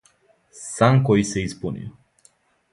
Сан који се испунио.